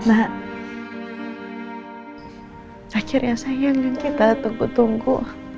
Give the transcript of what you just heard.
akhirnya sayang kita tunggu tunggu